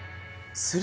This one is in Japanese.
する？